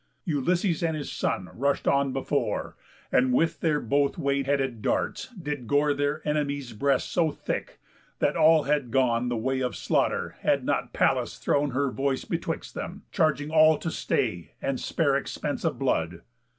Ulysses and his son rush'd on before, And with their both way headed darts did gore Their enemies' breasts so thick, that all had gone The way of slaughter, had not Pallas thrown Her voice betwixt them, charging all to stay And spare expense of blood.